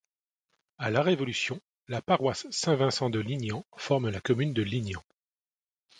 À la Révolution, la paroisse Saint-Vincent de Lignan forme la commune de Lignan.